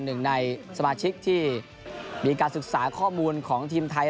หนึ่งในสมาชิกที่มีการศึกษาข้อมูลของทีมไทย